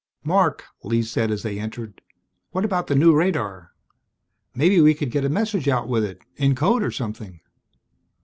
"Marc," Lee said as they entered, "what about the new radar? Maybe we could get a message out with it, in code or something."